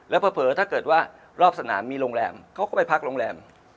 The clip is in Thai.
แล้วเผลอถ้าเกิดว่ารอบสนามมีโรงแรมเขาก็ไปพักโรงแรม